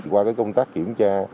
qua công tác kiểm tra